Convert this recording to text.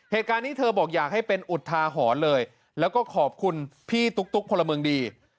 เหตุการณ์นี้เธอบอกอยากให้เป็นอุทาหรณ์เลยแล้วก็ขอบคุณพี่ตุ๊กพลเมืองดี